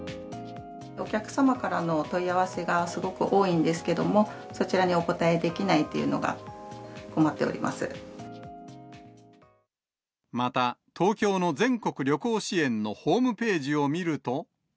お客様からのお問い合わせがすごく多いんですけども、そちらにお答えできないというのが困っまた、東京の全国旅行支援のホームページを見ると。